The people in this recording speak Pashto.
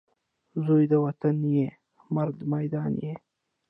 زوی د وطن یې ، مرد میدان یې